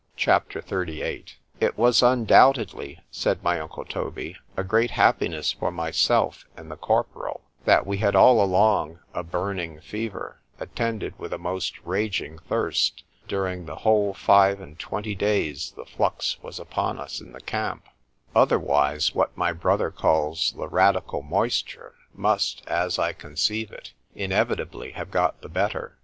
C H A P. XXXVIII IT was undoubtedly, said my uncle Toby, a great happiness for myself and the corporal, that we had all along a burning fever, attended with a most raging thirst, during the whole five and twenty days the flux was upon us in the camp; otherwise what my brother calls the radical moisture, must, as I conceive it, inevitably have got the better.